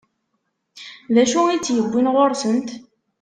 D acu i tt-iwwin ɣur-sent?